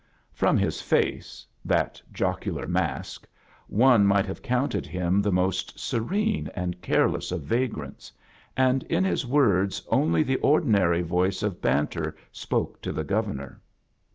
From his face — that Jocular mask — one m^ht have counted him the most serene and careless of vagrants, and tn his words only the ordinary voice of banter spoke to theGovemor.